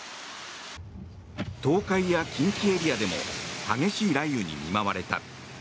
東海や近畿エリアでも激しい雷雨に見舞われた。